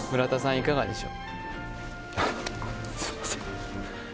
いかがでしょう？